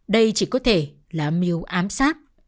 đây chỉ có thể là mưu ám sát